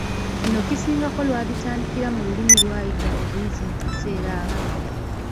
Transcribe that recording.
Kino kisingako lw’abitandikira mu lulimi lw’ayiga obuyizi mu kaseera ako.